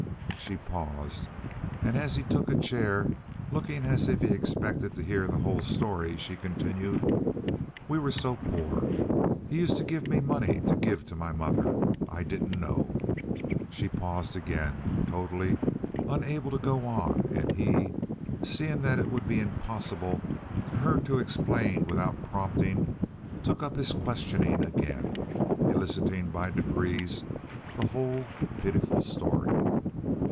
She paused, and as he took a chair, looking as if he expected to hear the whole story, she continued: "We were so poor. He used to give me money to give to my mother. I didn't know." She paused again, totally unable to go on, and he, seeing that it would be impossible for her to explain without prompting, took up his questioning again—eliciting by degrees the whole pitiful story.